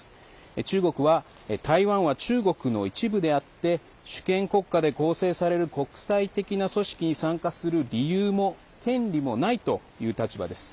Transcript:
中国は台湾は中国の一部であって主権国家で構成される国際的な組織に参加する理由も権利もないという立場です。